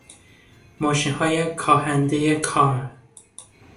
ماشینهای کاهندهی کار